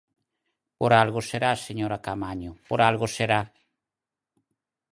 Por algo será, señora Caamaño, por algo será.